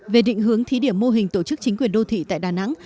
về định hướng thí điểm mô hình tổ chức chính quyền đô thị tại đà nẵng